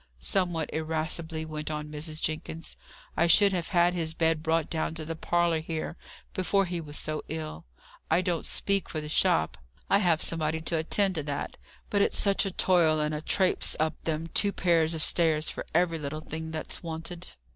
somewhat irascibly went on Mrs. Jenkins: "I should have had his bed brought down to the parlour here, before he was so ill. I don't speak for the shop, I have somebody to attend to that; but it's such a toil and a trapes up them two pair of stairs for every little thing that's wanted."